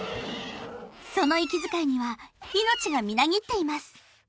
その息づかいには命がみなぎっています